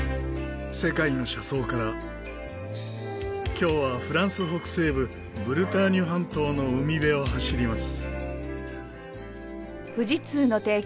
今日はフランス北西部ブルターニュ半島の海辺を走ります。